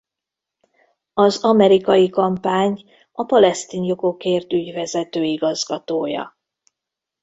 Az Amerikai Kampány a Palesztin Jogokért ügyvezető igazgatója.